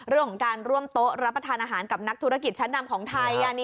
เรื่องของการร่วมโต๊ะรับประทานอาหารกับนักธุรกิจชั้นนำของไทย